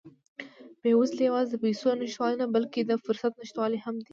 بېوزلي یوازې د پیسو نشتوالی نه، بلکې د فرصت نشتوالی هم دی.